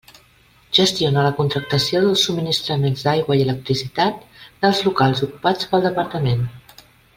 Gestiona la contractació dels subministraments d'aigua i electricitat dels locals ocupats pel Departament.